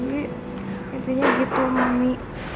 sebenarnya gitu mami